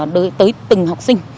đối tới từng học sinh